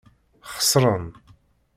Xeṣṛen.